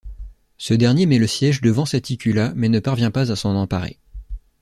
Ce dernier met le siège devant Saticula mais ne parvient pas à s'en emparer.